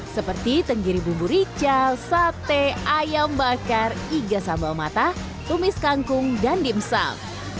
seperti tenggiri bumbu rica sate ayam bakar iga sambal mata tumis kangkung dan dimsum